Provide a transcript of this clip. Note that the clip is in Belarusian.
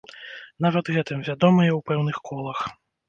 Нават гэтым вядомыя ў пэўных колах.